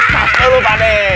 pastur pak de